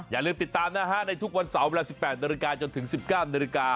อย่าลืมติดตามนะคะในทุกวันเสาร์เวลา๑๘นจนถึง๑๙น